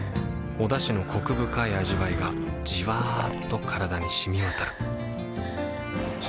おだしのコク深い味わいがじわっと体に染み渡るはぁ。